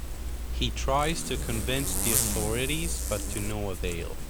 He tries to convince the authorities, but to no avail.